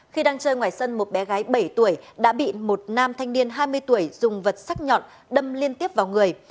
khi đang chơi ngoài sân một bé gái bảy tuổi đã bị một nam thanh niên hai mươi tuổi dùng vật sắc nhọn đâm liên tiếp vào người